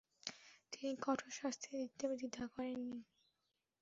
তিনি কঠোর শাস্তি দিতে দ্বিধা করেননি।